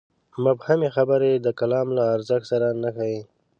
مبهمې خبرې د کالم له ارزښت سره نه ښايي.